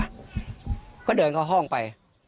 แล้วก็เดินก้อห้องไป